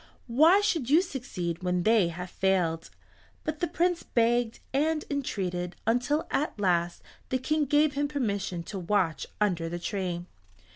"Why should you succeed when they have failed?" But the Prince begged and entreated until at last the King gave him permission to watch under the tree.